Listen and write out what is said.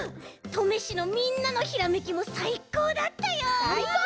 登米市のみんなのひらめきもさいこうだったよ！